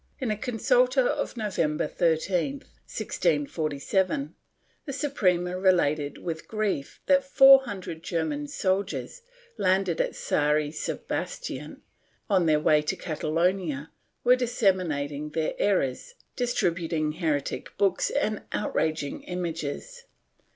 In a consulta of November 13, 1647, the Suprema related with grief that four hundred German soldiers, landed at San Sebastian, on their way to Catalonia, were dissem inating their errors, distributing heretic books and outraging images.